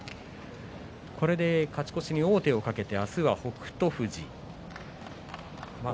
これで勝ち越しに王手を懸けて明日は北勝富士。